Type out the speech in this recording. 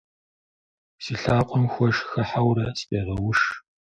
Си лъакъуэм хуэш хыхьэурэ сыкъегъэуш.